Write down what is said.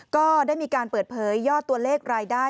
ก็ได้มีการเปิดเผยยอดตัวเลขรายได้